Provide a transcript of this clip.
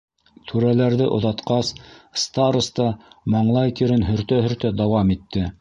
Түрәләрҙе оҙатҡас, староста маңлай тирен һөртә-һөртә дауам итте: